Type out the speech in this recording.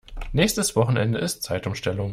Nächstes Wochenende ist Zeitumstellung.